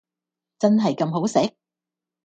真係咁好食？